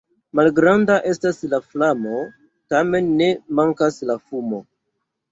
Malgranda estas la flamo, tamen ne mankas la fumo.